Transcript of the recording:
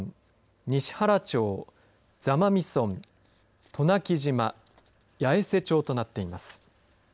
西原町、座間味村渡名喜島八重瀬町となっています。